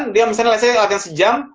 dia misalnya latihan sejam